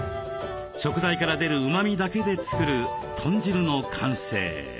食材から出るうまみだけで作る豚汁の完成。